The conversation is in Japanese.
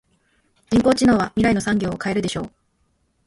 人工知能は未来の産業を変えるでしょう。